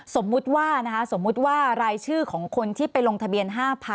สมมติว่ารายชื่อของคนที่ไปลงทะเบียน๕๐๐๐